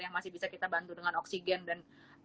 masih bisa kita bantu dengan oksigen dan